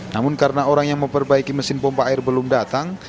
namun karena orang yang memperbaiki mesin pompa air belum datang